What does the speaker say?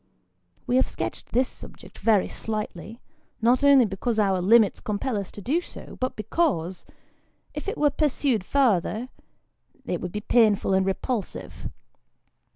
We have sketched this subject very slightly, not only because our limits compel us to do so, but because, if it were pursued farther, it would be painful and repulsive.